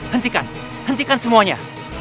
hentikan hentikan semuanya